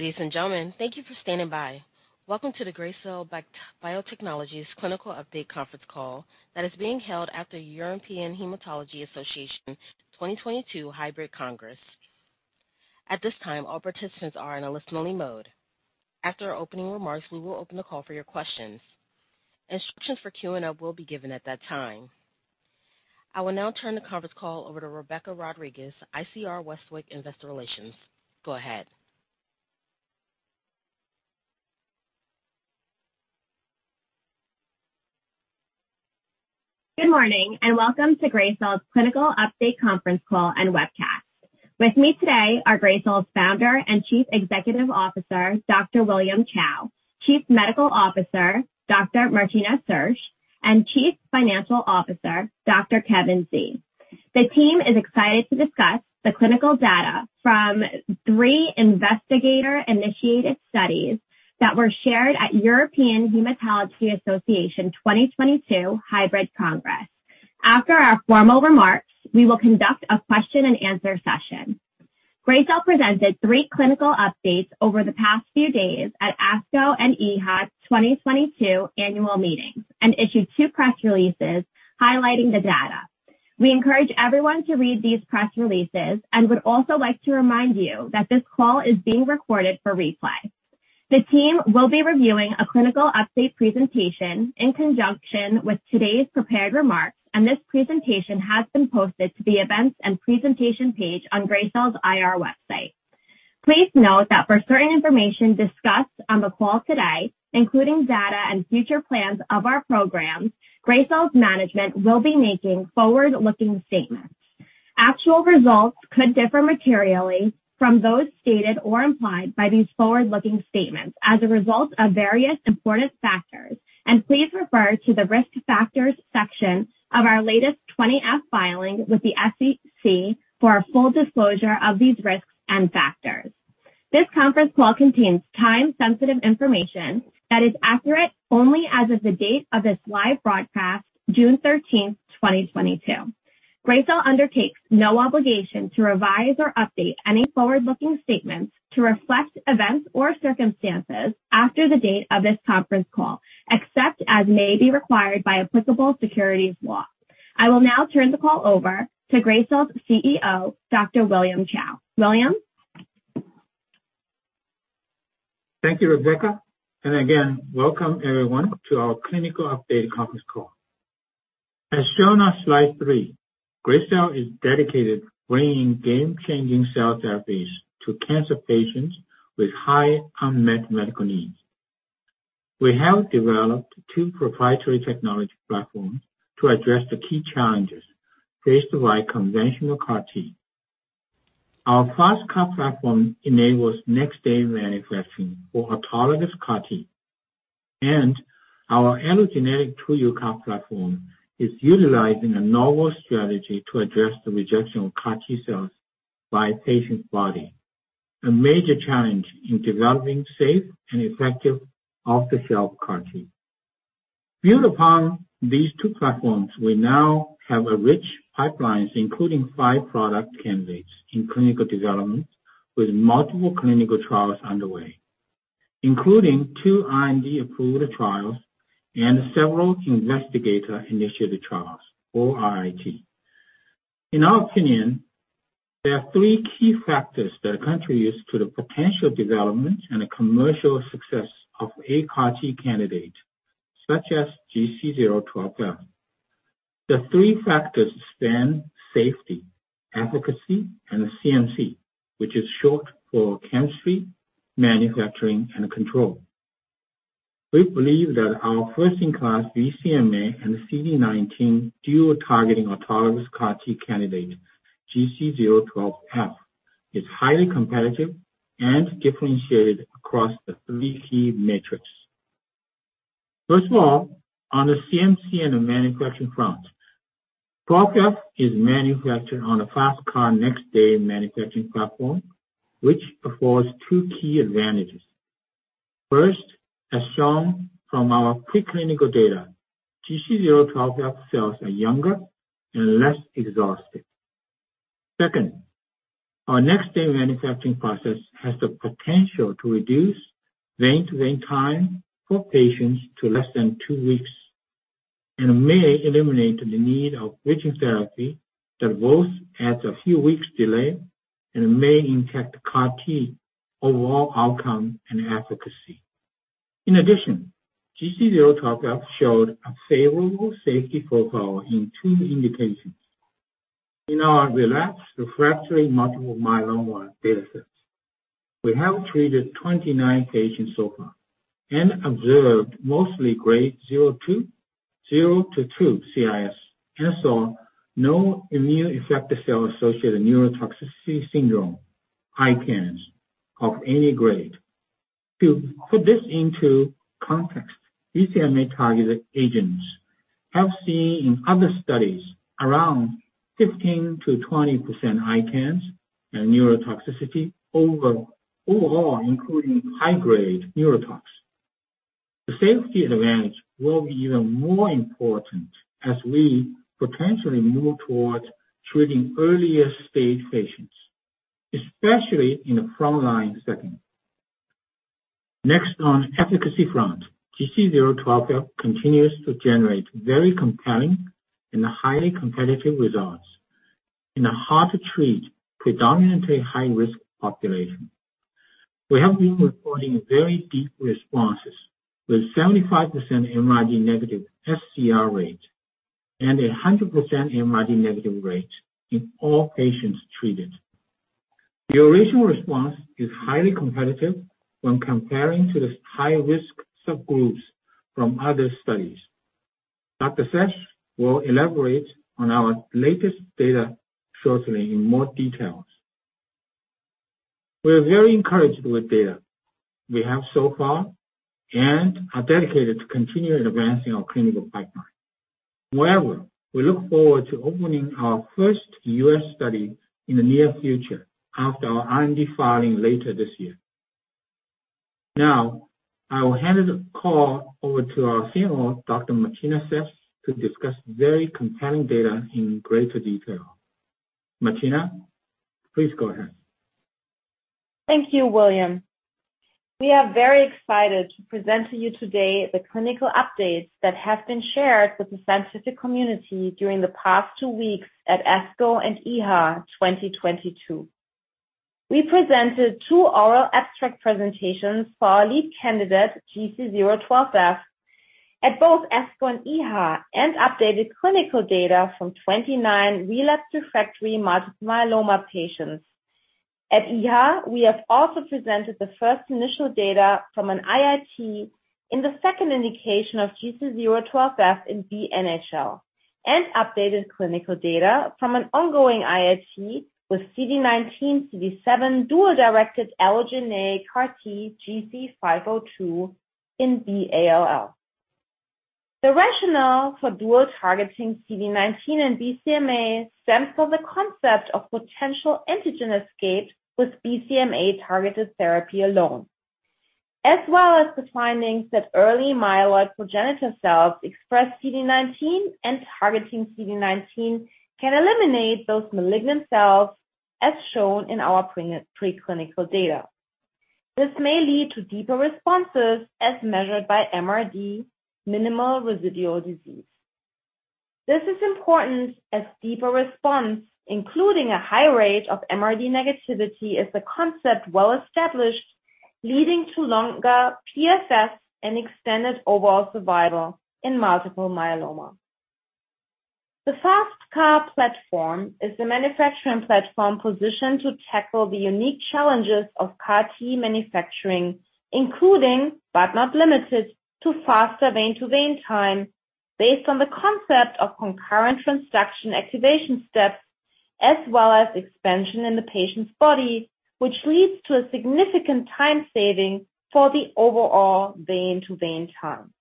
Ladies and gentlemen, thank you for standing by. Welcome to the Gracell Biotechnologies clinical update conference call that is being held at the European Hematology Association 2022 hybrid congress. At this time, all participants are in a listen only mode. After opening remarks, we will open the call for your questions. Instructions for Q&A will be given at that time. I will now turn the conference call over to Rebecca Rodriguez, ICR Westwicke Investor Relations. Go ahead. Good morning, and welcome to Gracell's clinical update conference call and webcast. With me today are Gracell's Founder and Chief Executive Officer, Dr. William Cao. Chief Medical Officer, Dr. Martina Sersch, and Chief Financial Officer, Dr. Kevin Xie. The team is excited to discuss the clinical data from three investigator-initiated studies that were shared at European Hematology Association 2022 hybrid congress. After our formal remarks, we will conduct a question and answer session. Gracell presented three clinical updates over the past few days at ASCO and EHA 2022 annual meetings, and issued two press releases highlighting the data. We encourage everyone to read these press releases and would also like to remind you that this call is being recorded for replay. The team will be reviewing a clinical update presentation in conjunction with today's prepared remarks, and this presentation has been posted to the events and presentation page on Gracell's IR website. Please note that for certain information discussed on the call today, including data and future plans of our programs, Gracell's management will be making forward-looking statements. Actual results could differ materially from those stated or implied by these forward-looking statements as a result of various important factors, and please refer to the Risk Factors section of our latest 20-F filing with the SEC for a full disclosure of these risks and factors. This conference call contains time-sensitive information that is accurate only as of the date of this live broadcast, June 13th, 2022. Gracell undertakes no obligation to revise or update any forward-looking statements to reflect events or circumstances after the date of this conference call, except as may be required by applicable securities law. I will now turn the call over to Gracell's CEO, Dr. William Cao. William? Thank you, Rebecca, and again, welcome everyone to our clinical update conference call. As shown on slide three, Gracell is dedicated to bringing game-changing cell therapies to cancer patients with high unmet medical needs. We have developed two proprietary technology platforms to address the key challenges faced by conventional CAR-T. Our FasTCAR platform enables next day manufacturing for autologous CAR-T. Our allogeneic TruUCAR platform is utilized in a novel strategy to address the rejection of CAR-T cells by a patient's body, a major challenge in developing safe and effective off-the-shelf CAR-T. Built upon these two platforms, we now have a rich pipelines, including five product candidates in clinical development with multiple clinical trials underway, including two IND approved trials and several investigator-initiated trials or IIT. In our opinion, there are three key factors that contribute to the potential development and commercial success of a CAR-T candidate such as GC012F. The three factors span safety, efficacy, and CMC, which is short for chemistry, manufacturing, and control. We believe that our first-in-class BCMA and CD19 dual-targeting autologous CAR-T candidate, GC012F, is highly competitive and differentiated across the three key metrics. First of all, on the CMC and the manufacturing front, GC012F is manufactured on a FasTCAR next-day manufacturing platform, which affords two key advantages. First, as shown from our preclinical data, GC012F cells are younger and less exhausted. Second, our next-day manufacturing process has the potential to reduce vein-to-vein time for patients to less than two weeks, and may eliminate the need for bridging therapy that both adds a few weeks delay and may impact CAR-T overall outcome and efficacy. In addition, GC012F showed a favorable safety profile in two indications. In our relapsed refractory multiple myeloma data sets, we have treated 29 patients so far and observed mostly Grade 0-2 CRS, and no immune effector cell associated neurotoxicity syndrome, ICANS, of any grade. To put this into context, BCMA targeted agents have seen in other studies around 15%-20% ICANS and neurotoxicity overall, including high-grade neurotoxicity. The safety advantage will be even more important as we potentially move towards treating earlier stage patients, especially in a frontline setting. Next, on efficacy front, GC012F continues to generate very compelling and highly competitive results in a hard-to-treat, predominantly high-risk population. We have been reporting very deep responses, with 75% MRD negative sCR rate and a 100% MRD negative rate in all patients treated. The original response is highly competitive when comparing to the high-risk subgroups from other studies. Dr. Sersch will elaborate on our latest data shortly in more details. We are very encouraged with data we have so far and are dedicated to continuing advancing our clinical pipeline. However, we look forward to opening our first U.S. study in the near future after our IND filing later this year. Now, I will hand the call over to our CMO, Dr. Martina Sersch, to discuss very compelling data in greater detail. Martina, please go ahead. Thank you, William. We are very excited to present to you today the clinical updates that have been shared with the scientific community during the past two weeks at ASCO and EHA 2022. We presented two oral abstract presentations for our lead candidate, GC012F, at both ASCO and EHA, and updated clinical data from 29 relapsed refractory multiple myeloma patients. At EHA, we have also presented the first initial data from an IIT in the second indication of GC012F in BNHL and updated clinical data from an ongoing IIT with CD19, CD7 dual-directed allogeneic CAR-T GC502 in B-ALL. The rationale for dual targeting CD19 and BCMA stems from the concept of potential antigen escape with BCMA-targeted therapy alone, as well as the findings that early myeloid progenitor cells express CD19 and targeting CD19 can eliminate those malignant cells, as shown in our pre-clinical data. This may lead to deeper responses as measured by MRD, minimal residual disease. This is important as deeper response, including a high rate of MRD negativity, is a concept well-established, leading to longer PFS and extended overall survival in multiple myeloma. The FasTCAR platform is the manufacturing platform positioned to tackle the unique challenges of CAR-T manufacturing, including, but not limited to faster vein-to-vein time based on the concept of concurrent transduction activation steps, as well as expansion in the patient's body, which leads to a significant time saving for the overall vein-to-vein time.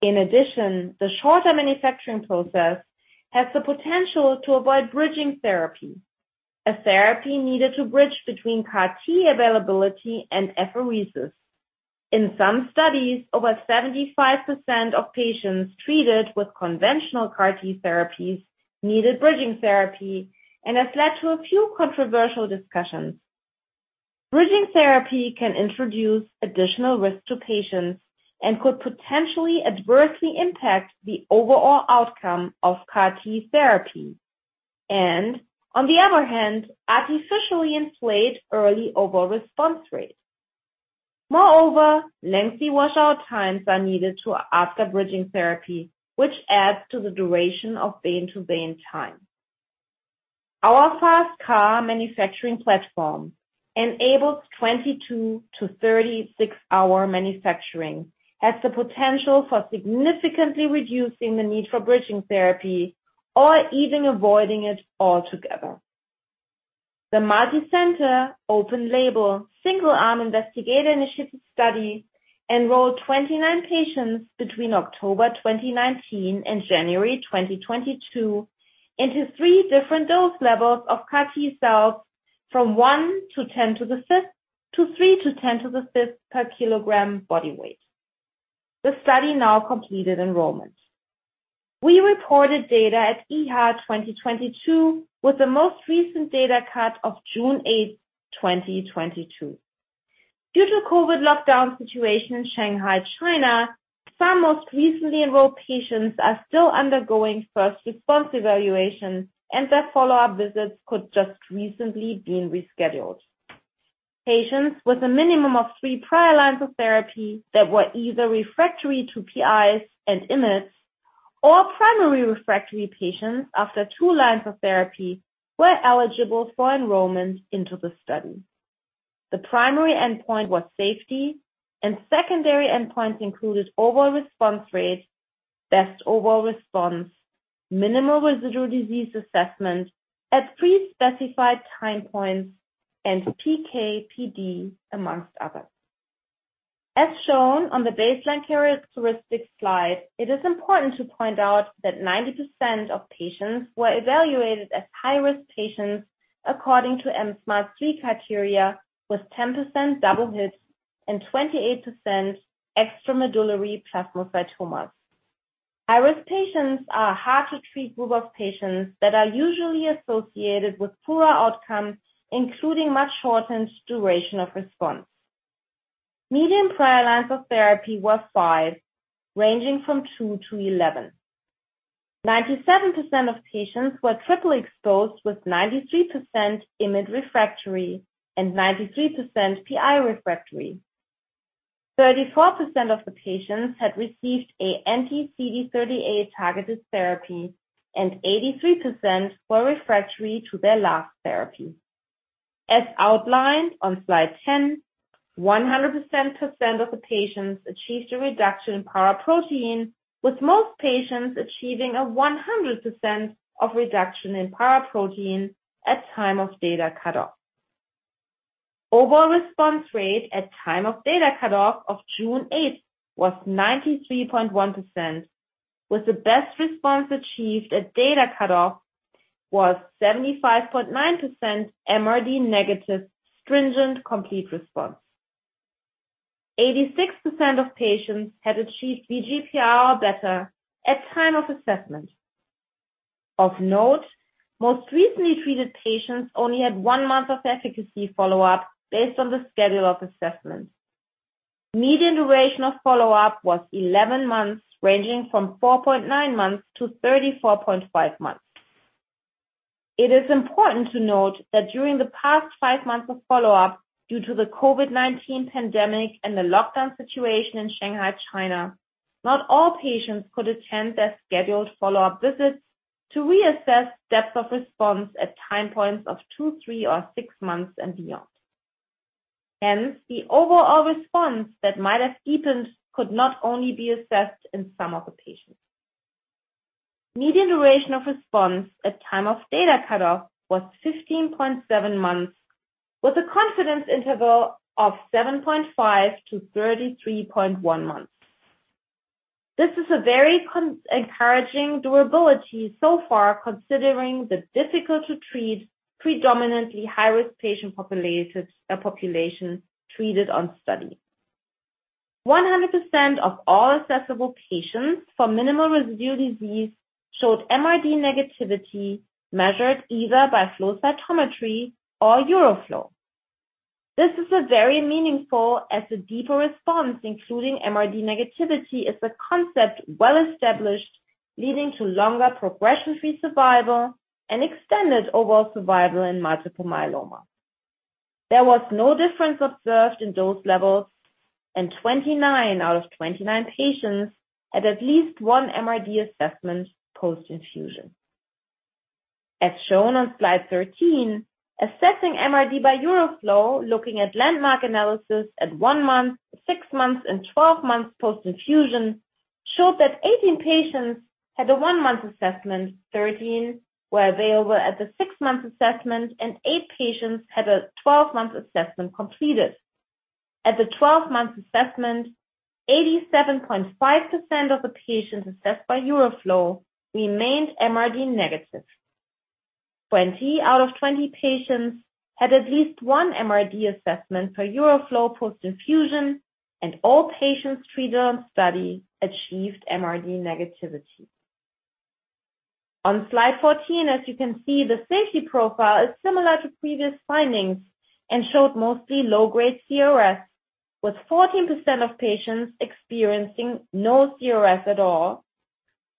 In addition, the shorter manufacturing process has the potential to avoid bridging therapy, a therapy needed to bridge between CAR-T availability and apheresis. In some studies, over 75% of patients treated with conventional CAR-T therapies needed bridging therapy and has led to a few controversial discussions. Bridging therapy can introduce additional risk to patients and could potentially adversely impact the overall outcome of CAR-T therapy and, on the other hand, artificially inflate early overall response rate. Moreover, lengthy washout times are needed after a bridging therapy, which adds to the duration of vein-to-vein time. Our FasTCAR manufacturing platform enables 22- to 36-hour manufacturing, has the potential for significantly reducing the need for bridging therapy or even avoiding it altogether. The multi-center open label single arm investigator-initiated study enrolled 29 patients between October 2019 and January 2022 into three different dose levels of CAR-T cells from 1x10^5 to 3x10^5 per kilogram body weight. The study now completed enrollment. We reported data at EHA 2022, with the most recent data cut-off of June 8, 2022. Due to COVID lockdown situation in Shanghai, China, some most recently enrolled patients are still undergoing first response evaluation, and their follow-up visits could just recently been rescheduled. Patients with a minimum of three prior lines of therapy that were either refractory to PIs and IMiDs or primary refractory patients after two lines of therapy were eligible for enrollment into the study. The primary endpoint was safety, and secondary endpoints included overall response rate, best overall response, minimal residual disease assessment at pre-specified time points, and PK/PD, among others. As shown on the baseline characteristic slide, it is important to point out that 90% of patients were evaluated as high-risk patients according to mSMART 3.0 criteria with 10% double hits and 28% extramedullary plasmacytomas. High-risk patients are hard-to-treat group of patients that are usually associated with poorer outcomes, including much shortened duration of response. Median prior lines of therapy was five, ranging from two to 11. 97% of patients were triple-exposed, with 93% IMiDs refractory and 93% PIs refractory. 34% of the patients had received an anti-CD38-targeted therapy, and 83% were refractory to their last therapy. As outlined on slide 10, 100% of the patients achieved a reduction in paraprotein, with most patients achieving a 100% reduction in paraprotein at time of data cutoff. Overall response rate at time of data cutoff of June 8 was 93.1%, with the best response achieved at data cutoff was 75.9% MRD negative stringent complete response. 86% of patients had achieved VGPR or better at time of assessment. Of note, most recently treated patients only had one month of efficacy follow-up based on the schedule of assessment. Median duration of follow-up was 11 months, ranging from 4.9-34.5 months. It is important to note that during the past five months of follow-up, due to the COVID-19 pandemic and the lockdown situation in Shanghai, China, not all patients could attend their scheduled follow-up visits to reassess depth of response at time points of two, three, or six months and beyond. Hence, the overall response that might have deepened could not only be assessed in some of the patients. Median duration of response at time of data cutoff was 15.7 months, with a confidence interval of 7.5-33.1 months. This is a very encouraging durability so far, considering the difficult to treat predominantly high-risk patient population treated on study. 100% of all assessable patients for minimal residual disease showed MRD negativity measured either by flow cytometry or EuroFlow. This is very meaningful as a deeper response, including MRD negativity, is a concept well-established, leading to longer progression-free survival and extended overall survival in multiple myeloma. There was no difference observed in dose levels, and 29 out of 29 patients had at least one MRD assessment post-infusion. As shown on slide 13, assessing MRD by EuroFlow, looking at landmark analysis at one month, six months, and 12 months post-infusion, showed that 18 patients had a one-month assessment, 13 were available at the six-month assessment, and eight patients had a 12-month assessment completed. At the 12-month assessment, 87.5% of the patients assessed by EuroFlow remained MRD negative. 20 out of 20 patients had at least one MRD assessment per EuroFlow post-infusion, and all patients treated on study achieved MRD negativity. On slide 14, as you can see, the safety profile is similar to previous findings and showed mostly low-grade CRS, with 14% of patients experiencing no CRS at all.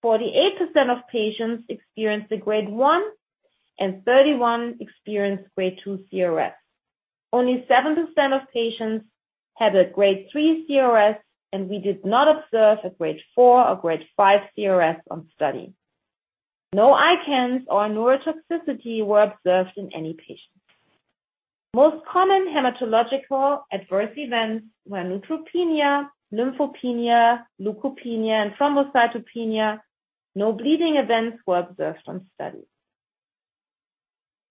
48% of patients experienced a Grade 1, and 31% experienced Grade 2 CRS. Only 7% of patients had a Grade 3 CRS, and we did not observe a Grade 4 or Grade 5 CRS on study. No ICANS or neurotoxicity were observed in any patient. Most common hematological adverse events were neutropenia, lymphopenia, leukopenia, and thrombocytopenia. No bleeding events were observed on study.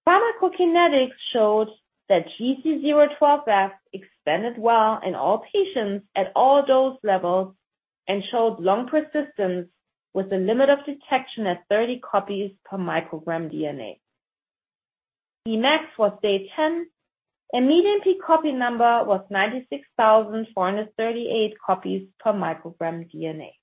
Pharmacokinetics showed that GC012F expanded well in all patients at all dose levels and showed long persistence with a limit of detection at 30 copies per microgram DNA. Cmax was day 10, and median peak copy number was 96,438 copies per microgram DNA.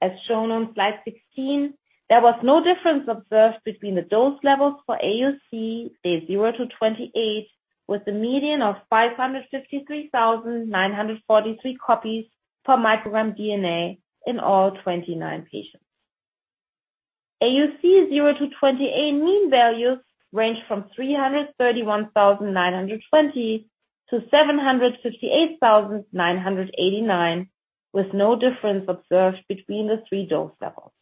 As shown on slide 16, there was no difference observed between the dose levels for AUC, day zero to 28, with a median of 553,943 copies per microgram DNA in all 29 patients. AUC 0 to 28 mean values ranged from 331,920 to 758,989, with no difference observed between the three dose levels.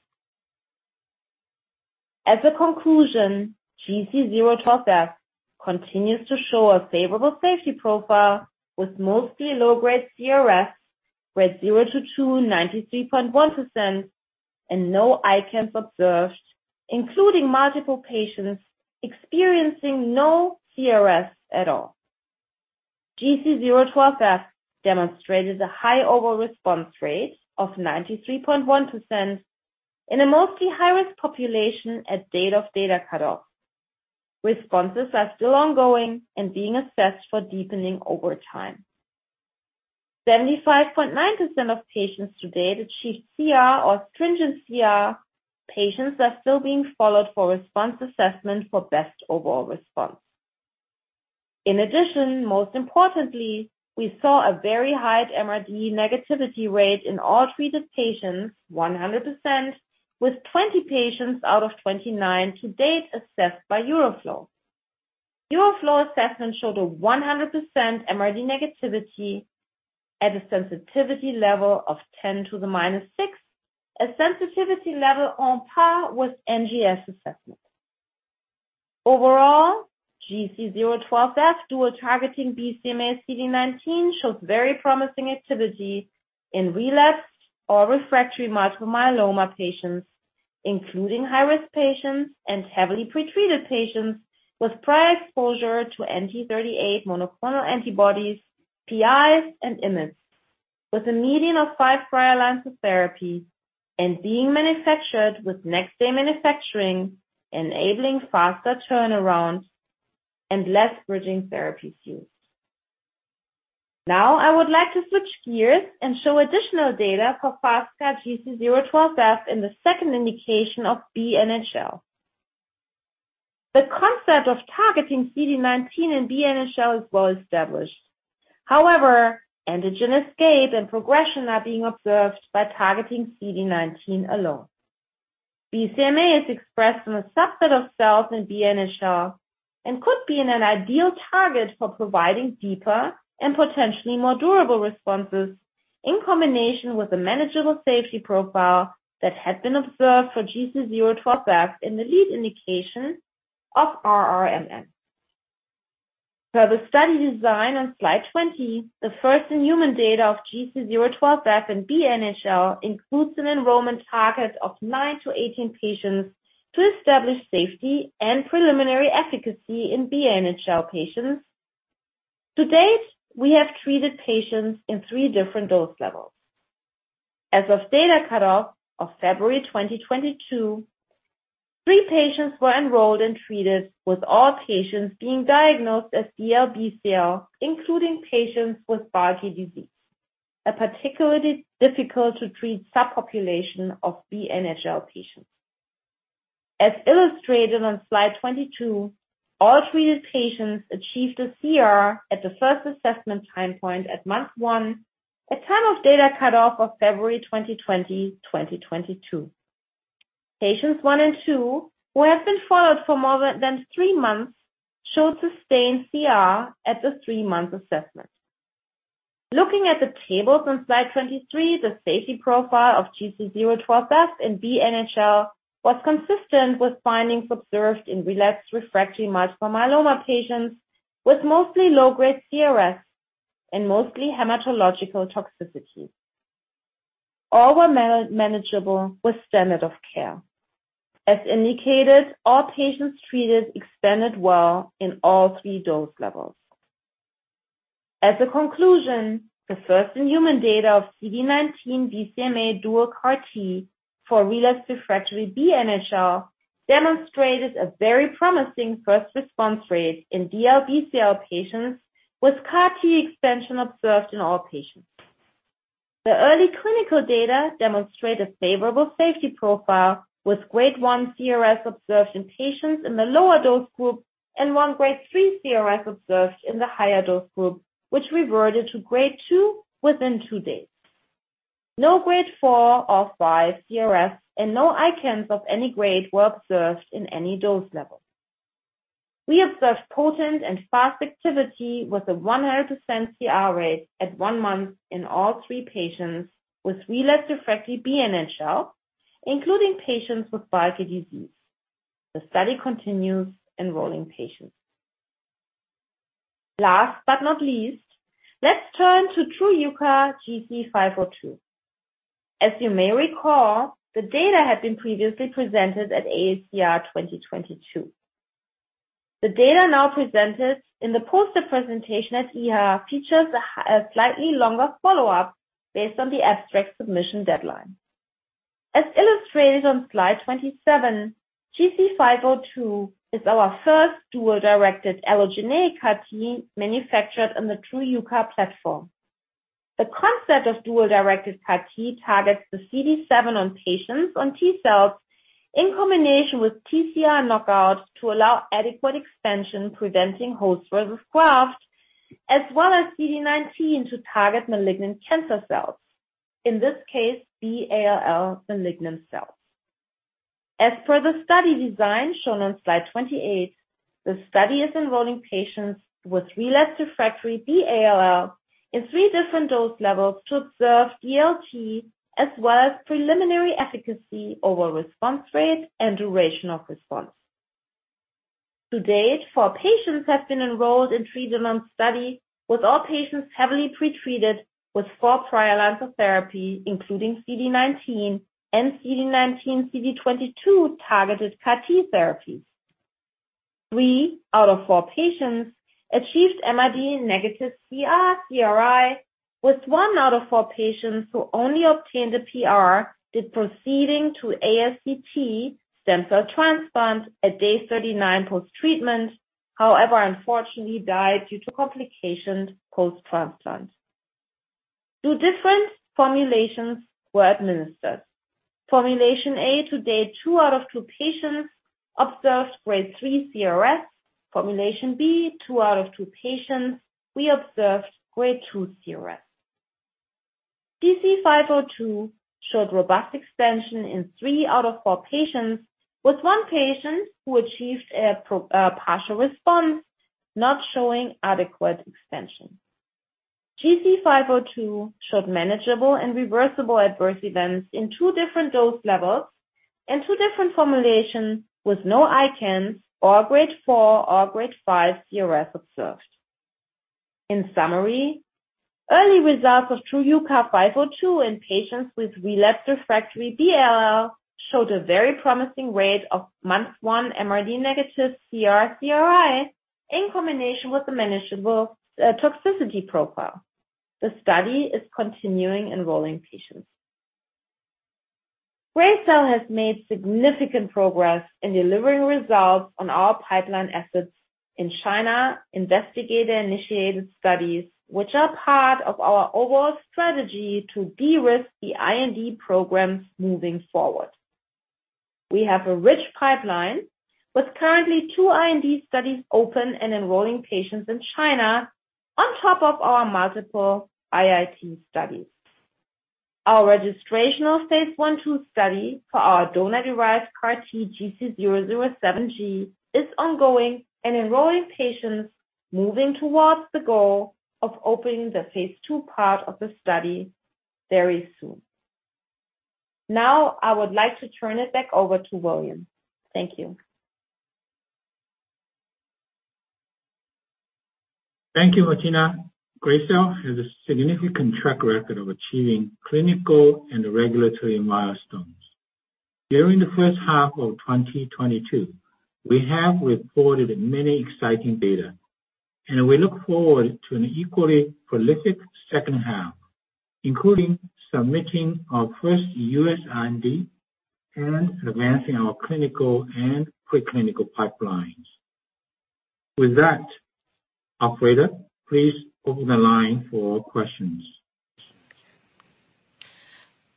As a conclusion, GC012F continues to show a favorable safety profile with mostly low-grade CRS, Grade 0-2, 93.1%, and no ICANS observed, including multiple patients experiencing no CRS at all. GC012F demonstrated a high overall response rate of 93.1% in a mostly high-risk population at date of data cut-off. Responses are still ongoing and being assessed for deepening over time. 75.9% of patients to date achieved CR or stringent CR. Patients are still being followed for response assessment for best overall response. In addition, most importantly, we saw a very high MRD negativity rate in all treated patients, 100%, with 20 patients out of 29 to date assessed by EuroFlow. EuroFlow assessment showed a 100% MRD negativity at a sensitivity level of 10 to the -6, a sensitivity level on par with NGS assessment. Overall, GC012F dual targeting BCMA/CD19 showed very promising activity in relapsed or refractory multiple myeloma patients, including high-risk patients and heavily pretreated patients with prior exposure to anti-CD38 monoclonal antibodies, PIs, and IMiDs, with a median of five prior lines of therapy and being manufactured with next-day manufacturing, enabling faster turnaround and less bridging therapies used. Now I would like to switch gears and show additional data for FasTCAR GC012F in the second indication of BNHL. The concept of targeting CD19 in BNHL is well-established. However, antigen escape and progression are being observed by targeting CD19 alone. BCMA is expressed in a subset of cells in BNHL and could be an ideal target for providing deeper and potentially more durable responses in combination with a manageable safety profile that had been observed for GC012F in the lead indication of RRMM. Per the study design on Slide 20, the first-in-human data of GC012F in BNHL includes an enrollment target of nine to 18 patients to establish safety and preliminary efficacy in BNHL patients. To date, we have treated patients in three different dose levels. As of data cut-off of February 2022, three patients were enrolled and treated, with all patients being diagnosed as DLBCL, including patients with bulky disease, a particularly difficult-to-treat subpopulation of BNHL patients. As illustrated on Slide 22, all treated patients achieved a CR at the first assessment time point at month one, at time of data cut-off of February 2022. Patients one and two, who have been followed for more than three months, showed sustained CR at the three-month assessment. Looking at the tables on Slide 23, the safety profile of GC012F in BNHL was consistent with findings observed in relapsed refractory multiple myeloma patients with mostly low-grade CRS and mostly hematological toxicities. All were manageable with standard of care. As indicated, all patients treated expanded well in all three dose levels. As a conclusion, the first-in-human data of CD19 BCMA dual CAR-T for relapsed refractory BNHL demonstrated a very promising first response rate in DLBCL patients with CAR-T expansion observed in all patients. The early clinical data demonstrate a favorable safety profile, with Grade 1 CRS observed in patients in the lower dose group and one Grade 3 CRS observed in the higher dose group, which reverted to Grade 2 within two days. No Grade 4 or 5 CRS and no ICANS of any grade were observed in any dose level. We observed potent and fast activity with a 100% CR rate at one month in all three patients with relapsed refractory BNHL, including patients with bulky disease. The study continues enrolling patients. Last but not least, let's turn to TruUCAR GC502. As you may recall, the data had been previously presented at AACR 2022. The data now presented in the poster presentation at EHA features a slightly longer follow-up based on the abstract submission deadline. As illustrated on Slide 27, GC502 is our first dual-directed allogeneic CAR-T manufactured on the TruUCAR platform. The concept of dual-directed CAR-T targets the CD7 on patient T-cells in combination with TCR knockouts to allow adequate expansion, preventing host versus graft, as well as CD19 to target malignant cancer cells, in this case, B-ALL malignant cells. As per the study design shown on Slide 28, the study is enrolling patients with relapsed refractory B-ALL in three different dose levels to observe DLT, as well as preliminary efficacy over response rate and duration of response. To date, four patients have been enrolled in treatment on study, with all patients heavily pretreated with four prior lines of therapy, including CD19 and CD19/CD22-targeted CAR-T therapies. Three out of four patients achieved MRD-negative CR/CRi, with one out of four patients who only obtained a PR did proceed to ASCT stem cell transplant at day 39 post-treatment. However, unfortunately died due to complications post-transplant. Two different formulations were administered. Formulation A, two out of two patients observed Grade 3 CRS. Formulation B, two out of two patients, we observed Grade 2 CRS. GC502 showed robust expansion in three out of four patients, with one patient who achieved a partial response, not showing adequate expansion. GC502 showed manageable and reversible adverse events in two different dose levels and two different formulations with no ICANS or Grade 4 or Grade 5 CRS observed. In summary, early results of TruUCAR GC502 in patients with relapsed refractory B-ALL showed a very promising rate of month one MRD negative CR/CRi in combination with a manageable toxicity profile. The study is continuing enrolling patients. Gracell has made significant progress in delivering results on our pipeline assets in China, investigator-initiated studies, which are part of our overall strategy to de-risk the IND programs moving forward. We have a rich pipeline with currently two IND studies open and enrolling patients in China on top of our multiple IIT studies. Our registrational phase I-II study for our donor-derived CAR-T GC007g is ongoing and enrolling patients moving towards the goal of opening the phase II part of the study very soon. Now, I would like to turn it back over to William. Thank you. Thank you, Martina. Gracell has a significant track record of achieving clinical and regulatory milestones. During the first half of 2022, we have reported many exciting data, and we look forward to an equally prolific second half, including submitting our first U.S. IND and advancing our clinical and pre-clinical pipelines. With that, operator, please open the line for questions.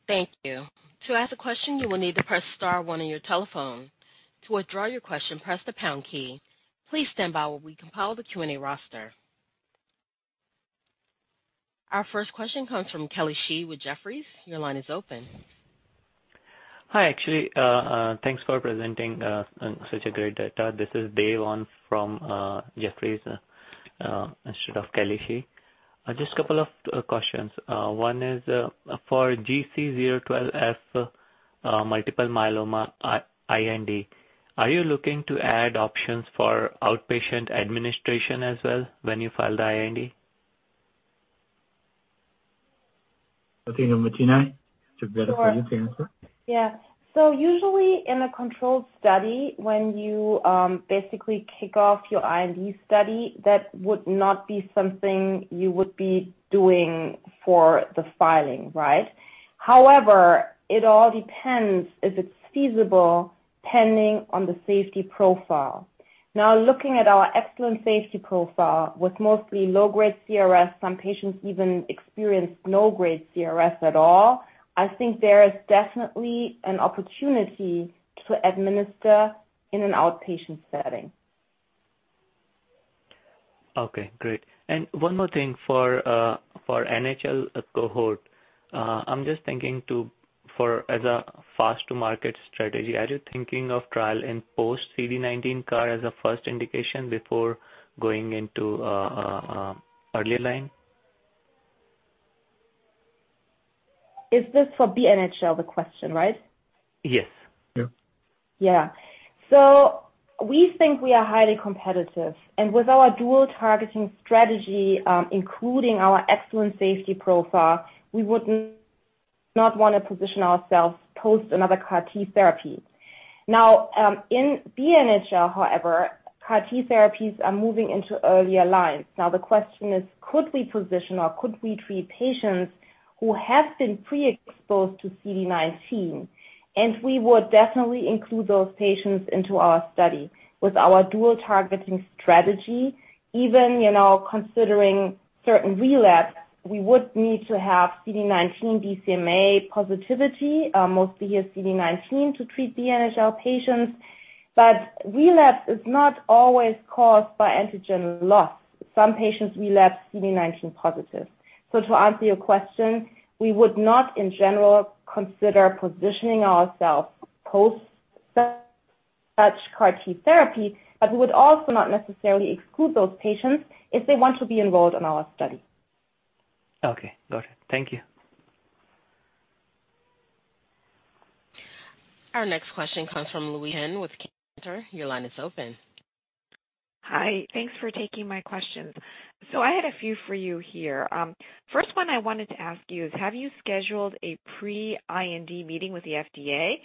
Thank you. To ask a question, you will need to press star one on your telephone. To withdraw your question, press the pound key. Please stand by while we compile the Q&A roster. Our first question comes from Kelly Shi with Jefferies. Your line is open. Hi. Actually, thanks for presenting such a great data. This is Dave Wan from Jefferies instead of Kelly Shi. Just a couple of questions. One is for GC012F multiple myeloma IND, are you looking to add options for outpatient administration as well when you file the IND? Martina. Sure. It's better for you to answer. Yeah. Usually in a controlled study, when you basically kick off your IND study, that would not be something you would be doing for the filing, right? However, it all depends if it's feasible, pending on the safety profile. Now, looking at our excellent safety profile with mostly low-grade CRS, some patients even experienced no grade CRS at all, I think there is definitely an opportunity to administer in an outpatient setting. Okay, great. One more thing for NHL cohort. I'm just thinking too, for as a fast-to-market strategy, are you thinking of trial in post-CD19 CAR as a first indication before going into early line? Is this for BNHL, the question, right? Yes. Yeah. Yeah. We think we are highly competitive. With our dual targeting strategy, including our excellent safety profile, we wouldn't not wanna position ourselves post another CAR-T therapy. Now, in BNHL, however, CAR-T therapies are moving into earlier lines. Now, the question is, could we position or could we treat patients who have been pre-exposed to CD19? We would definitely include those patients into our study. With our dual targeting strategy, even, you know, considering certain relapse, we would need to have CD19 BCMA positivity, mostly the CD19 to treat BNHL patients. Relapse is not always caused by antigen loss. Some patients relapse CD19 positive. To answer your question, we would not, in general, consider positioning ourselves post such CAR-T therapy, but we would also not necessarily exclude those patients if they want to be enrolled in our study. Okay. Got it. Thank you. Our next question comes from Louise Chen with Cantor. Your line is open. Hi. Thanks for taking my questions. I had a few for you here. First one I wanted to ask you is, have you scheduled a pre-IND meeting with the FDA?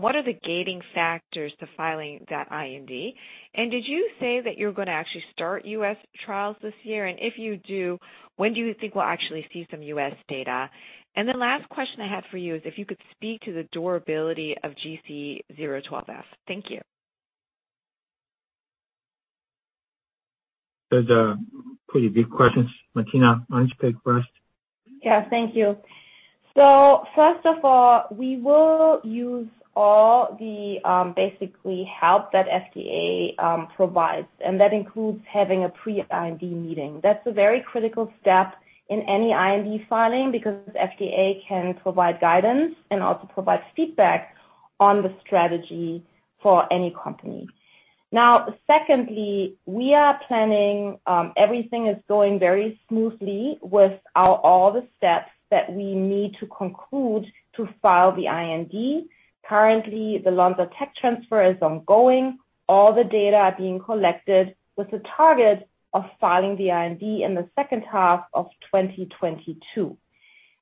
What are the gating factors to filing that IND? Did you say that you're gonna actually start U.S. trials this year? If you do, when do you think we'll actually see some U.S. data? The last question I have for you is if you could speak to the durability of GC012F. Thank you. Those are pretty big questions. Martina, why don't you pick first? Yeah, thank you. First of all, we will use all the basic help that FDA provides, and that includes having a pre-IND meeting. That's a very critical step in any IND filing because FDA can provide guidance and also provide feedback on the strategy for any company. Now, secondly, we are planning, everything is going very smoothly with our all the steps that we need to conclude to file the IND. Currently, the Lonza tech transfer is ongoing. All the data are being collected with the target of filing the IND in the second half of 2022.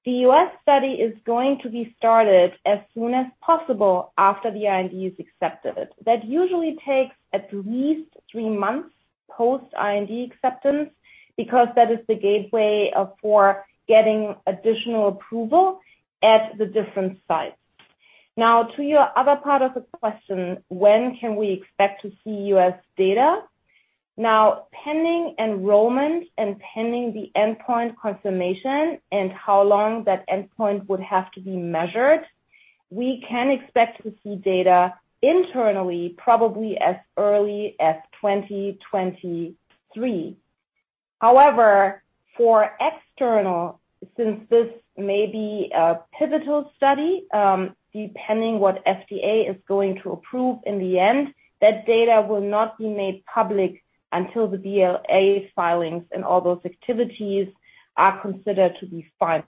The U.S. study is going to be started as soon as possible after the IND is accepted. That usually takes at least three months post-IND acceptance because that is the gateway for getting additional approval at the different sites. Now to your other part of the question, when can we expect to see U.S. data? Now, pending enrollment and pending the endpoint confirmation and how long that endpoint would have to be measured, we can expect to see data internally probably as early as 2023. However, for external, since this may be a pivotal study, depending what FDA is going to approve in the end, that data will not be made public until the BLA filings and all those activities are considered to be final.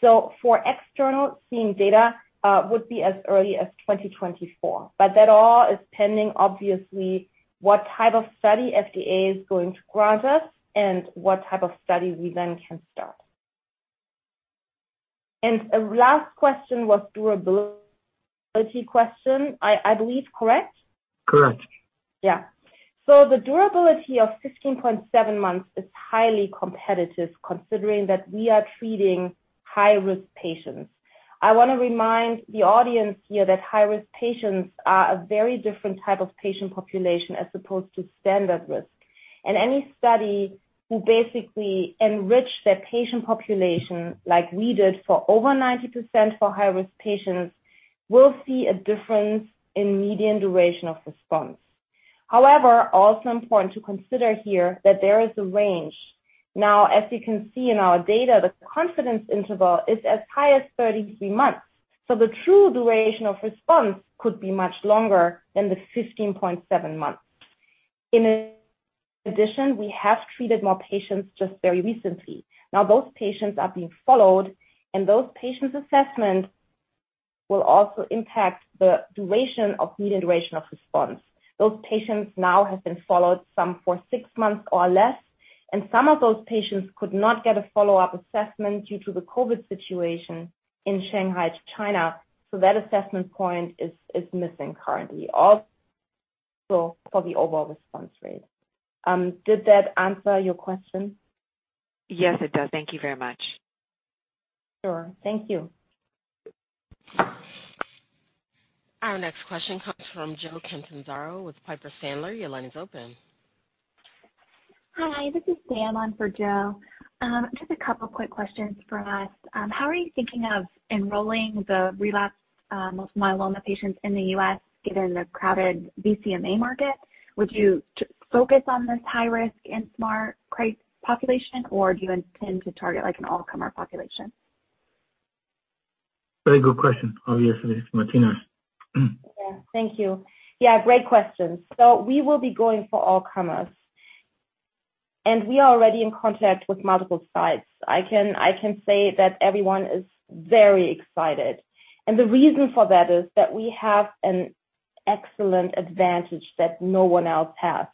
So for external, seeing data, would be as early as 2024, but that all is pending, obviously, what type of study FDA is going to grant us and what type of study we then can start. Last question was durability question, I believe, correct? Correct. Yeah. The durability of 15.7 months is highly competitive considering that we are treating high-risk patients. I wanna remind the audience here that high-risk patients are a very different type of patient population as opposed to standard risk. In any study who basically enrich their patient population like we did for over 90% for high-risk patients will see a difference in median duration of response. However, also important to consider here that there is a range. Now, as you can see in our data, the confidence interval is as high as 33 months. The true duration of response could be much longer than the 15.7 months. In addition, we have treated more patients just very recently. Now those patients are being followed, and those patients' assessment will also impact the median duration of response. Those patients now have been followed some for six months or less, and some of those patients could not get a follow-up assessment due to the COVID situation in Shanghai, China. That assessment point is missing currently, also for the overall response rate. Did that answer your question? Yes, it does. Thank you very much. Sure. Thank you. Our next question comes from Joe Catanzaro with Piper Sandler. Your line is open. Hi. This is Sam on for Joe. Just a couple of quick questions from us. How are you thinking of enrolling the relapsed multiple myeloma patients in the U.S. given the crowded BCMA market? Would you focus on this high-risk and mSMART CRi population, or do you intend to target like an all-comer population? Very good question, obviously. Martina? Yeah. Thank you. Yeah, great question. We will be going for all-comers, and we are already in contact with multiple sites. I can, I can say that everyone is very excited. And the reason for that is that we have an excellent advantage that no one else has,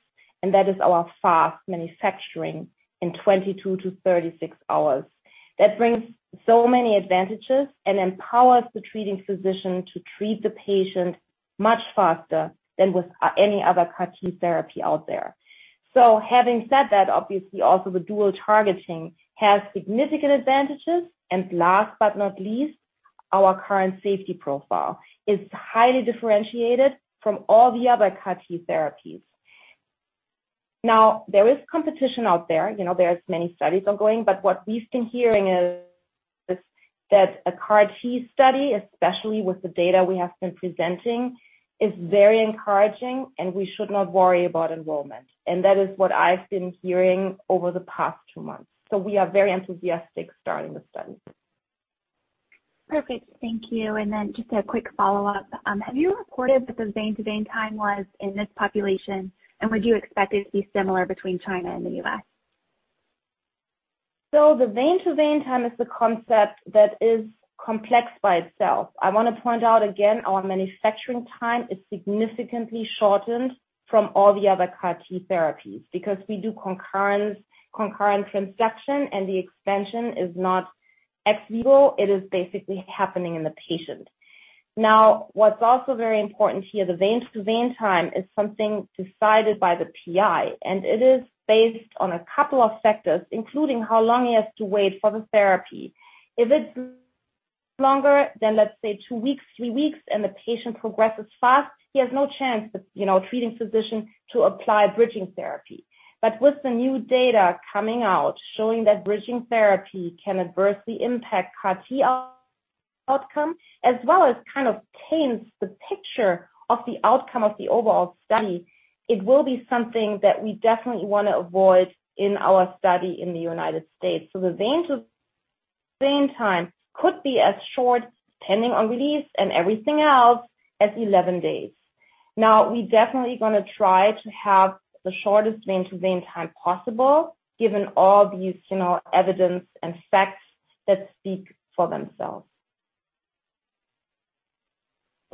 and that is our fast manufacturing in 22-36 hours. That brings so many advantages and empowers the treating physician to treat the patient much faster than with any other CAR-T therapy out there. Having said that, obviously also the dual targeting has significant advantages. And last but not least, our current safety profile is highly differentiated from all the other CAR-T therapies. Now, there is competition out there. You know, there's many studies ongoing. What we've been hearing is that a CAR-T study, especially with the data we have been presenting, is very encouraging, and we should not worry about enrollment. That is what I've been hearing over the past two months. We are very enthusiastic starting the study. Perfect. Thank you. Just a quick follow-up. Have you reported what the vein to vein time was in this population, and would you expect it to be similar between China and the U.S.? The vein-to-vein time is the concept that is complex by itself. I wanna point out again, our manufacturing time is significantly shortened from all the other CAR-T therapies because we do concurrent transduction, and the expansion is not ex vivo, it is basically happening in the patient. Now, what's also very important here, the vein-to-vein time is something decided by the PI, and it is based on a couple of factors, including how long he has to wait for the therapy. If it's longer than, let's say, two weeks, three weeks, and the patient progresses fast, he has no chance with, you know, treating physician to apply bridging therapy. With the new data coming out showing that bridging therapy can adversely impact CAR-T outcome as well as kind of taints the picture of the outcome of the overall study, it will be something that we definitely wanna avoid in our study in the United States. The vein-to-vein time could be as short, depending on release and everything else, as 11 days. Now, we definitely gonna try to have the shortest vein-to-vein time possible given all these, you know, evidence and facts that speak for themselves.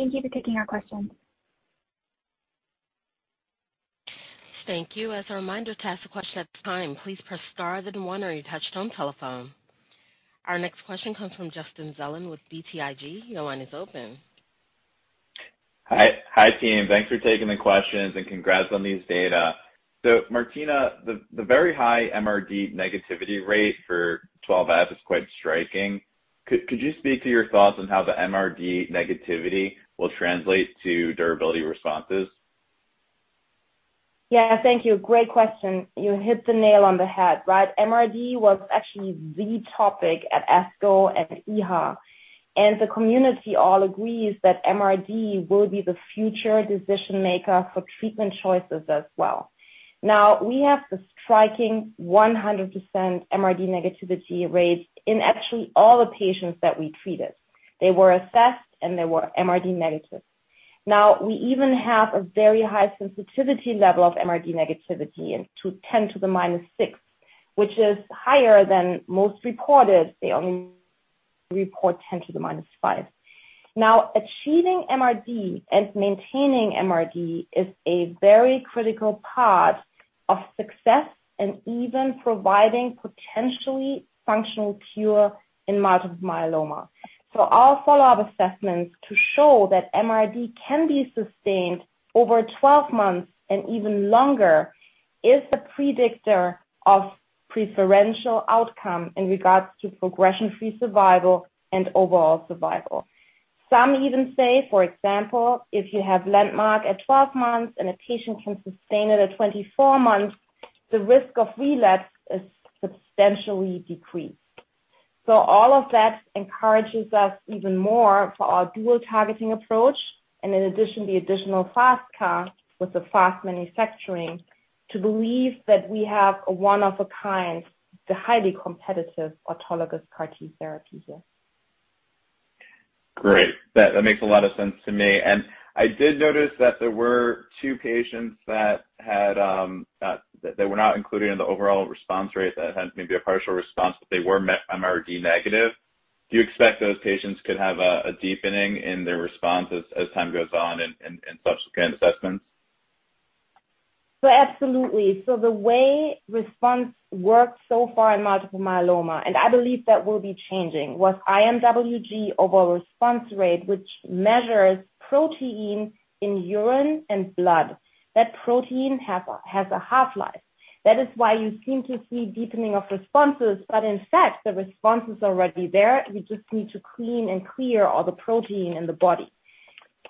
Thank you for taking our question. Thank you. As a reminder, to ask a question at this time, please press star then one on your touchtone telephone. Our next question comes from Justin Zelin with BTIG. Your line is open. Hi. Hi, team. Thanks for taking the questions, and congrats on these data. Martina, the very high MRD negativity rate for GC012F is quite striking. Could you speak to your thoughts on how the MRD negativity will translate to durability responses? Yeah. Thank you. Great question. You hit the nail on the head, right? MRD was actually the topic at ASCO and EHA. The community all agrees that MRD will be the future decision-maker for treatment choices as well. Now, we have the striking 100% MRD negativity rates in actually all the patients that we treated. They were assessed, and they were MRD negative. Now, we even have a very high sensitivity level of MRD negativity to 10 to the -6, which is higher than most reported. They only report 10 to the -5. Now, achieving MRD and maintaining MRD is a very critical part of success in even providing potentially functional cure in multiple myeloma. Our follow-up assessments to show that MRD can be sustained over 12 months and even longer is a predictor of preferential outcome in regards to progression-free survival and overall survival. Some even say, for example, if you have landmark at 12 months and a patient can sustain it at 24 months, the risk of relapse is substantially decreased. All of that encourages us even more for our dual targeting approach, and in addition, the additional fast path with the fast manufacturing to believe that we have a one-of-a-kind, the highly competitive autologous CAR-T therapy here. Great. That makes a lot of sense to me. I did notice that there were two patients that had they were not included in the overall response rate that had maybe a partial response, but they were MRD negative. Do you expect those patients could have a deepening in their response as time goes on in subsequent assessments? Absolutely. The way response works so far in multiple myeloma, and I believe that will be changing, was IMWG overall response rate, which measures protein in urine and blood. That protein has a half-life. That is why you seem to see deepening of responses. In fact, the response is already there. We just need to clean and clear all the protein in the body.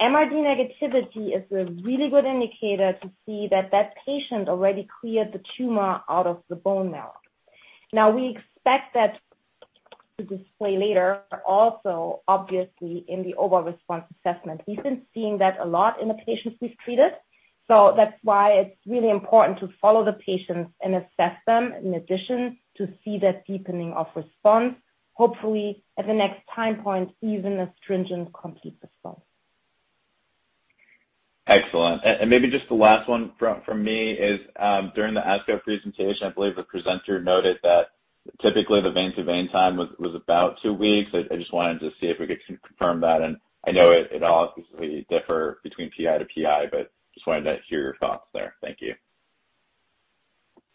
MRD negativity is a really good indicator to see that patient already cleared the tumor out of the bone marrow. Now, we expect that to display later, but also obviously in the overall response assessment. We've been seeing that a lot in the patients we've treated. That's why it's really important to follow the patients and assess them in addition to see that deepening of response, hopefully at the next time point, even a stringent complete response. Excellent. Maybe just the last one from me is during the ASCO presentation. I believe a presenter noted that typically the vein-to-vein time was about two weeks. I just wanted to see if we could confirm that. I know it obviously differs between PI to PI, but just wanted to hear your thoughts there. Thank you.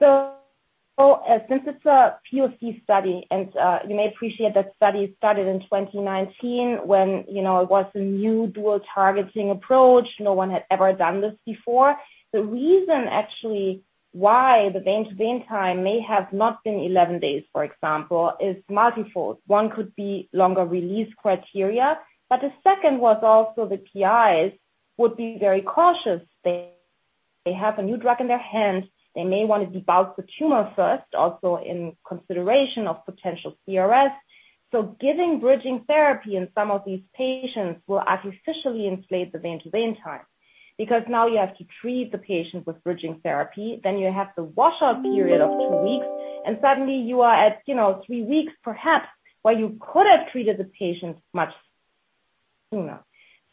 Since it's a POC study, and you may appreciate that study started in 2019 when, you know, it was a new dual targeting approach. No one had ever done this before. The reason actually why the vein-to-vein time may have not been 11 days, for example, is multifold. One could be longer release criteria, but the second was also the PIs would be very cautious. They have a new drug in their hands. They may wanna debulk the tumor first, also in consideration of potential CRS. Giving bridging therapy in some of these patients will artificially inflate the vein-to-vein time because now you have to treat the patient with bridging therapy, then you have the washout period of two weeks, and suddenly you are at, you know, three weeks perhaps, while you could have treated the patient much sooner.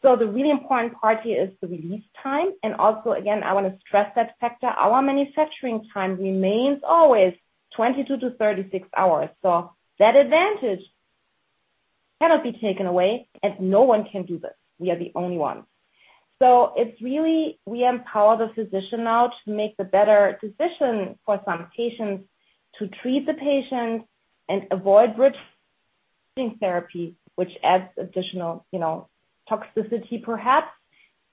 The really important part here is the release time. Also, again, I want to stress that factor. Our manufacturing time remains always 22-36 hours. That advantage cannot be taken away and no one can do this. We are the only one. It's really we empower the physician now to make the better decision for some patients, to treat the patient and avoid bridging therapy, which adds additional, you know, toxicity perhaps,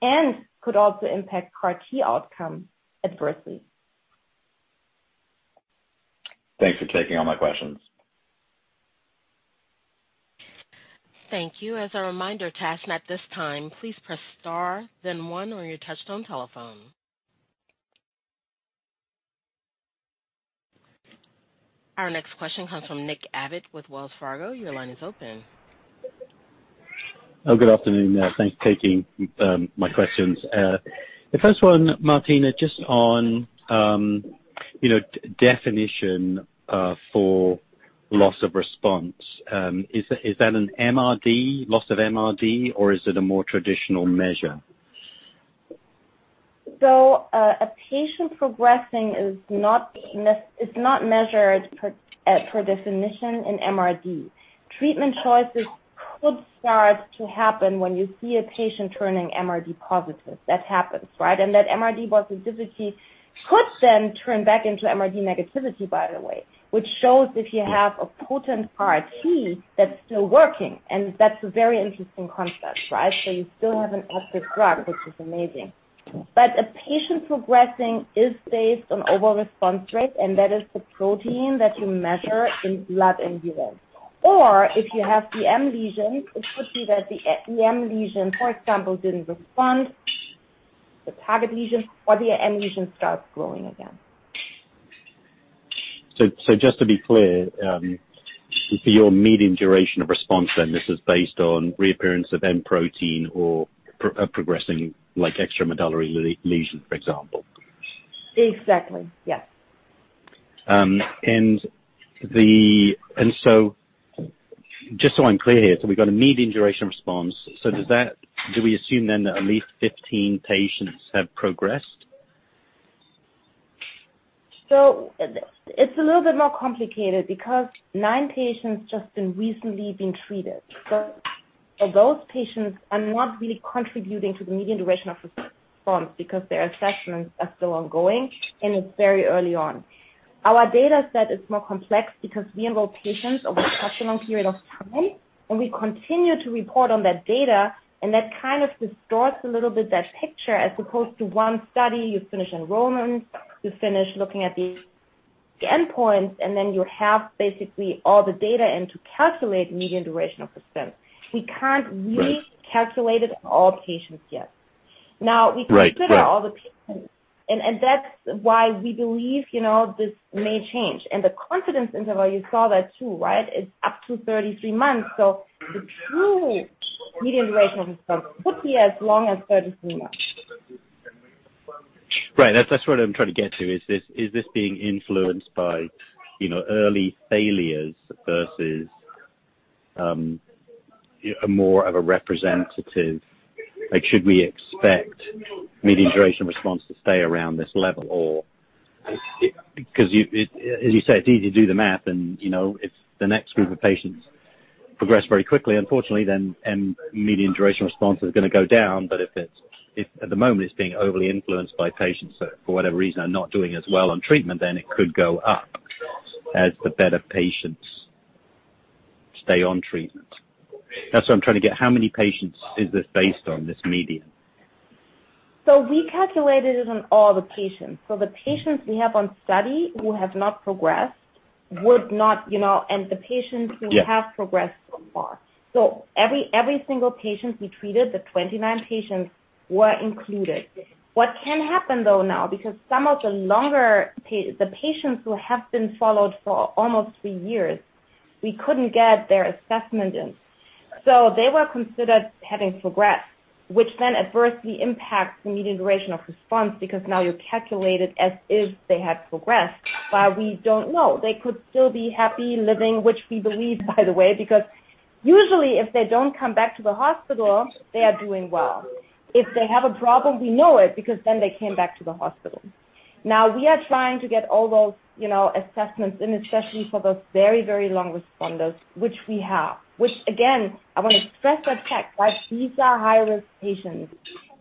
and could also impact CAR-T outcome adversely. Thanks for taking all my questions. Thank you. As a reminder, at this time, please press Star then one on your touchtone telephone. Our next question comes from Nick Abbott with Wells Fargo. Your line is open. Oh, good afternoon. Thanks for taking my questions. The first one, Martina, just on definition for loss of response. Is that an MRD, loss of MRD, or is it a more traditional measure? A patient progressing is not measured per definition in MRD. Treatment choices could start to happen when you see a patient turning MRD positive. That happens, right? That MRD positivity could then turn back into MRD negativity, by the way, which shows if you have a potent CAR-T that's still working. That's a very interesting concept, right? You still have an active drug, which is amazing. A patient progressing is based on overall response rate, and that is the M-protein that you measure in blood and urine. If you have BM lesions, it could be that the BM lesion, for example, didn't respond to target lesion or the BM lesion starts growing again. Just to be clear, your median duration of response, then this is based on reappearance of M protein or progressing like extramedullary lesion, for example. Exactly, yes. Just so I'm clear here, so we've got a median duration of response. Do we assume then that at least 15 patients have progressed? It's a little bit more complicated because nine patients have just been recently treated. Those patients are not really contributing to the median duration of response because their assessments are still ongoing and it's very early on. Our data set is more complex because we enroll patients over such a long period of time, and we continue to report on that data, and that kind of distorts a little bit that picture as opposed to one study, you finish enrollment, you finish looking at the endpoints, and then you have basically all the data in to calculate median duration of response. We can't really. Right. Calculate it on all patients yet. Right. Right. Now, we consider all the patients, and that's why we believe, you know, this may change. The confidence interval, you saw that too, right? It's up to 33 months. The true median duration could be as long as 33 months. Right. That's what I'm trying to get to. Is this being influenced by, you know, early failures versus a more of a representative? Like, should we expect median duration response to stay around this level or? Because it, as you say, it's easy to do the math and, you know, if the next group of patients progress very quickly, unfortunately, then median duration response is gonna go down. But if at the moment it's being overly influenced by patients that for whatever reason are not doing as well on treatment, then it could go up as the better patients stay on treatment. That's what I'm trying to get. How many patients is this based on this median? We calculated it on all the patients. The patients we have on study who have not progressed would not, you know, and the patients who- Yeah. Have progressed so far. Every single patient we treated, the 29 patients were included. What can happen though now, because some of the longer the patients who have been followed for almost three years, we couldn't get their assessment in. They were considered having progressed, which then adversely impacts the median duration of response because now you calculate it as if they had progressed. We don't know. They could still be happy living, which we believe, by the way, because usually if they don't come back to the hospital, they are doing well. If they have a problem, we know it because then they came back to the hospital. Now we are trying to get all those, you know, assessments in, especially for those very long responders, which we have. Which again, I want to stress the fact that these are high-risk patients,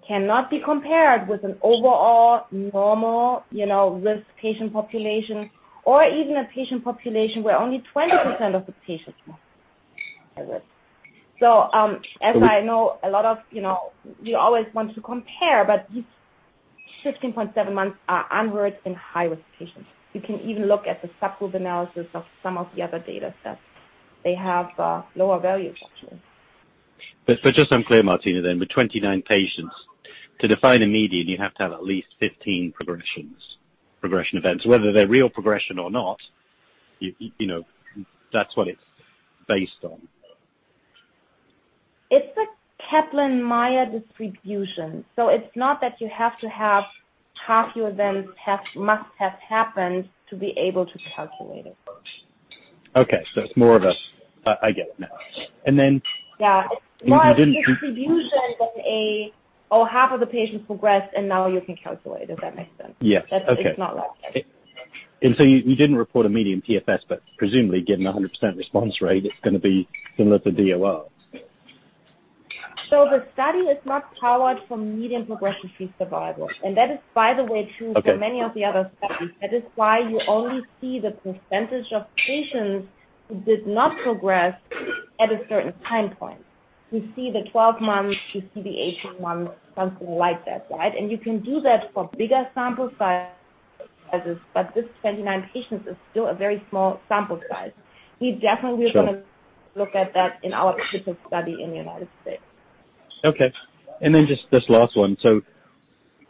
cannot be compared with an overall normal, you know, risk patient population or even a patient population where only 20% of the patients are high risk. As I know, a lot of, you know, we always want to compare, but these 15.7 months are onward in high-risk patients. You can even look at the subgroup analysis of some of the other data sets. They have lower values, actually. Just so I'm clear, Martina, with 29 patients, to define a median, you have to have at least 15 progressions, progression events. Whether they're real progression or not, you know, that's what it's based on. It's a Kaplan-Meier distribution. It's not that you have to have half your events must have happened to be able to calculate it. Okay, it's more of a I get it now. Then- Yeah. If you didn't- Plus the distribution than half of the patients progressed, and now you can calculate, if that makes sense. Yeah. Okay. It's not logical. You didn't report a median PFS, but presumably, given 100% response rate, it's gonna be similar to DOR. The study is not powered for median progression-free survival. That is, by the way, true. Okay. For many of the other studies. That is why you only see the percentage of patients who did not progress at a certain time point. You see the 12 months, you see the 18 months, something like that, right? You can do that for bigger sample sizes, but this 29 patients is still a very small sample size. We definitely Sure. We're gonna look at that in our future study in the United States. Okay. Just this last one.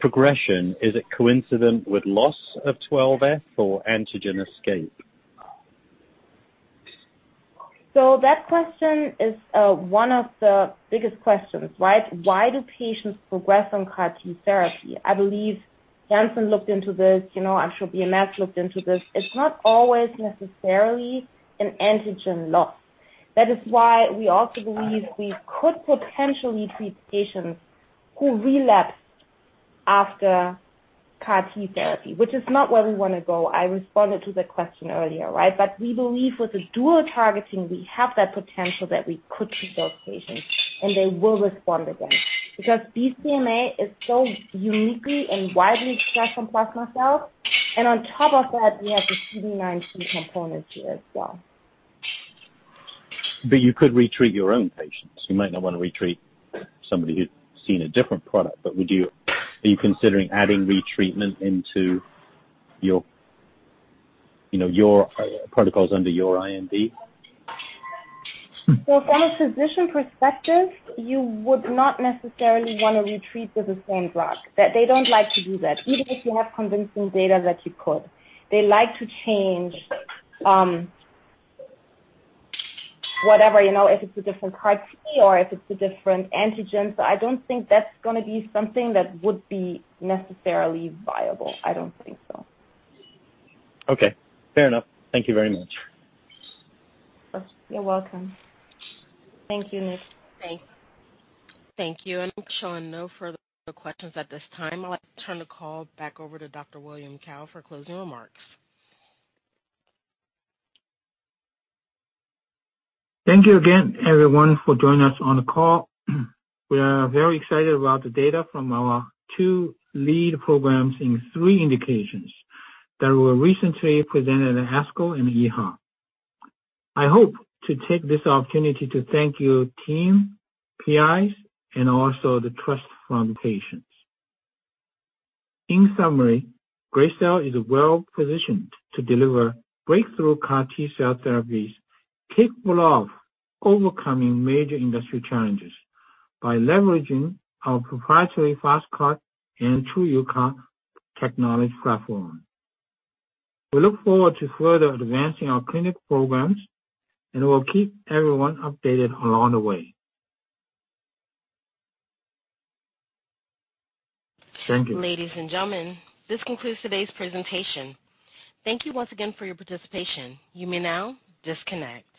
Progression, is it coincident with loss of GC012F or antigen escape? That question is one of the biggest questions, right? Why do patients progress on CAR-T therapy? I believe Johnson looked into this, you know, I'm sure BMS looked into this. It's not always necessarily an antigen loss. That is why we also believe we could potentially treat patients who relapse after CAR-T therapy, which is not where we wanna go. I responded to the question earlier, right? We believe with the dual targeting, we have that potential that we could treat those patients, and they will respond again. Because BCMA is so uniquely and widely expressed in plasma cells, and on top of that, we have the CD19 component here as well. You could retreat your own patients. You might not wanna retreat somebody who's seen a different product, but are you considering adding retreatment into your, you know, your protocols under your IND? From a physician perspective, you would not necessarily wanna retreat with the same drug. That they don't like to do that, even if you have convincing data that you could. They like to change, whatever, you know, if it's a different CAR-T or if it's a different antigen. I don't think that's gonna be something that would be necessarily viable. I don't think so. Okay. Fair enough. Thank you very much. You're welcome. Thank you, Nick. Thanks. Thank you. I'm showing no further questions at this time. I'd like to turn the call back over to Dr. William Cao for closing remarks. Thank you again, everyone, for joining us on the call. We are very excited about the data from our two lead programs in three indications that were recently presented at ASCO and EHA. I hope to take this opportunity to thank our team, PIs, and also the trust from patients. In summary, Gracell is well-positioned to deliver breakthrough CAR-T-cell therapies capable of overcoming major industry challenges by leveraging our proprietary FasTCAR and TruUCAR technology platform. We look forward to further advancing our clinical programs, and we'll keep everyone updated along the way. Thank you. Ladies and gentlemen, this concludes today's presentation. Thank you once again for your participation. You may now disconnect.